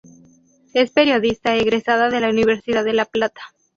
Es periodista egresada de la Universidad de La Plata.